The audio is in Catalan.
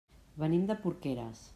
Venim de Porqueres.